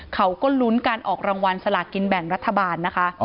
เขาก็ลุ้นการออกรางวัลสลากินแบ่งรัฐบาลนะคะ